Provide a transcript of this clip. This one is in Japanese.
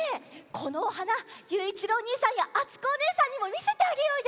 このおはなゆういちろうおにいさんやあつこおねえさんにもみせてあげようよ！